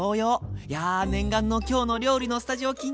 いや念願の「きょうの料理」のスタジオ緊張するな。